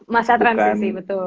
masa transisi betul